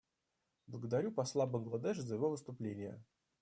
Благодарю посла Бангладеш за его выступление.